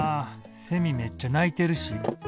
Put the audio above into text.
セミめっちゃ鳴いてるし。